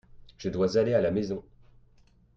Je dois aller à la maison.